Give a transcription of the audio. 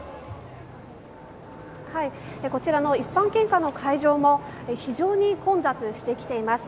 こちらの一般献花の会場も非常に混雑してきています。